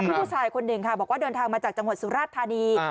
ผู้ชายคนหนึ่งค่ะบอกว่าเดินทางมาจากจังหวัดสุราชธานี